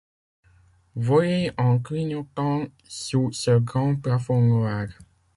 Voler en clignotant sous ce grand plafond noir